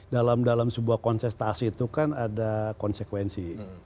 dalam sebuah kontestasi itu kan ada konsekuensi